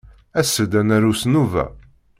As-d ad naru s nnuba.